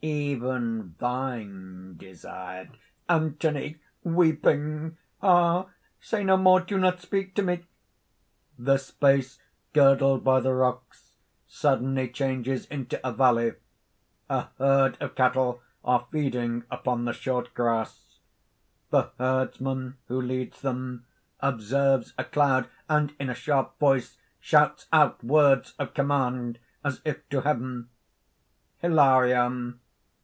Even thine desired ..." ANTHONY (weeping). "Ah! say no more! do not speak to me!" (The space girdled by the rocks suddenly changes into a valley. A herd of cattle are feeding upon the short grass. The herdman who leads them, observes a cloud; and in a sharp voice, shouts out words of command, as if to heaven.) HILARION.